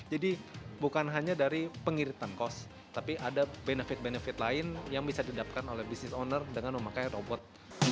jadi bukan hanya dari pengiritan kos tapi ada benefit benefit lain yang bisa didapatkan oleh bisnis owner dengan memakai robot